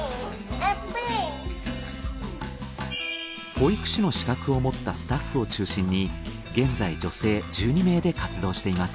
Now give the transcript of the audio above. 保育士の資格を持ったスタッフを中心に現在女性１２名で活動しています。